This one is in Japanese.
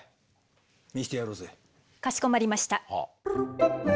かしこまりました。